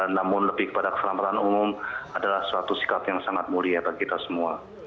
namun lebih kepada keselamatan umum adalah suatu sikap yang sangat mulia bagi kita semua